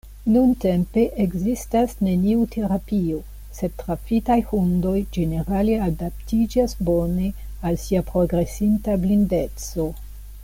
Nuntempe ekzistas neniu terapio, sed trafitaj hundoj ĝenerale adaptiĝas bone al sia progresinta blindeco.